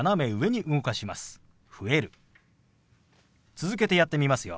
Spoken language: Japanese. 続けてやってみますよ。